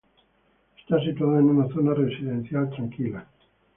Está situada en una zona residencial tranquila.